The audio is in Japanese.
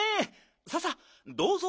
さあさあどうぞ。